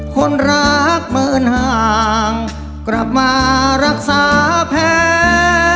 คนรักเหมือนห่างกลับมารักษาแพ้